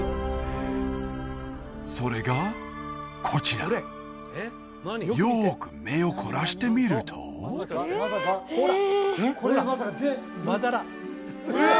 それがこちらよく目を凝らしてみるとうわっ！